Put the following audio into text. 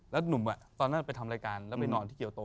แล้วหนุ่มตอนนั้นไปทำรายการแล้วไปนอนที่เกียวโต